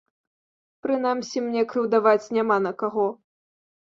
Прынамсі, мне крыўдаваць няма на каго.